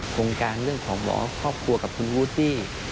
โครงการเรื่องของหมอครอบครัวกับคุณวูตี้